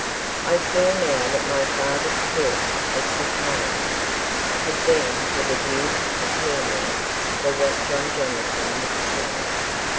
I saw now that my father's talk as we came, had been with a view to prepare me for what John Jamieson would say.